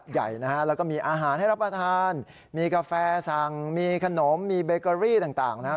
ใหญ่นะฮะแล้วก็มีอาหารให้รับประทานมีกาแฟสั่งมีขนมมีเบเกอรี่ต่างนะครับ